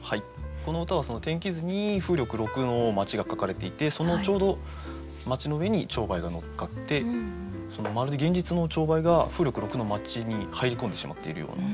この歌は天気図に風力６の町が描かれていてそのちょうど町の上にチョウバエが乗っかってまるで現実のチョウバエが風力６の町に入り込んでしまっているような。